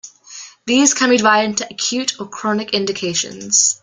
These can be divided into acute or chronic indications.